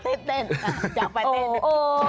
เต้นอยากไปเต้น